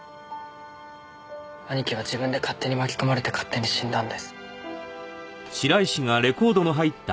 兄貴は自分で勝手に巻き込まれて勝手に死んだんです。